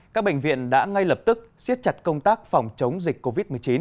các bệnh viện đã ngay lập tức siết chặt công tác phòng chống dịch covid một mươi chín